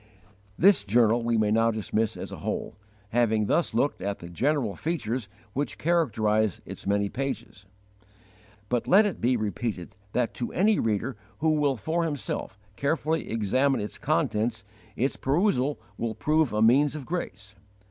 This journal we may now dismiss as a whole, having thus looked at the general features which characterize its many pages. But let it be repeated that to any reader who will for himself carefully examine its contents its perusal will prove a means of grace.